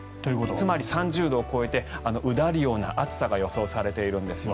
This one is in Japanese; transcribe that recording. つまり３０度を超えてうだるような暑さが予想されているんです。